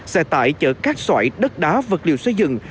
sẽ tải chở các xoại đất đá vật liệu xây dựng